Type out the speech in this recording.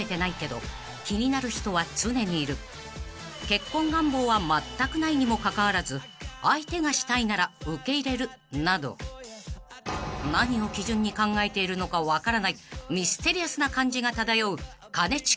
［結婚願望はまったくないにもかかわらず相手がしたいなら受け入れるなど何を基準に考えているのか分からないミステリアスな感じが漂う兼近さん］